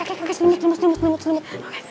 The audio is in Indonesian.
ya sebentar ya